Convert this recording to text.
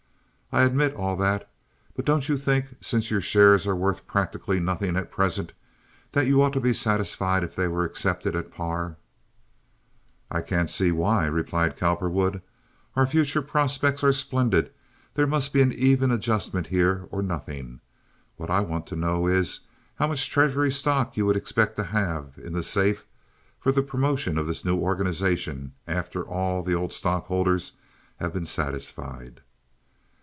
"I admit all that, but don't you think, since your shares are worth practically nothing at present, that you ought to be satisfied if they were accepted at par?" "I can't see why," replied Cowperwood. "Our future prospects are splendid. There must be an even adjustment here or nothing. What I want to know is how much treasury stock you would expect to have in the safe for the promotion of this new organization after all the old stockholders have been satisfied?"